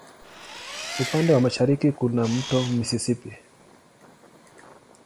Upande wa mashariki kuna wa Mto Mississippi.